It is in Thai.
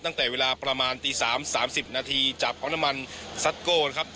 ตั้งแต่เวลาประมาณตี๓สามสิบนาทีจากอัมนามันซัตโกนะครับ